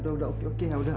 udah udah oke oke yaudah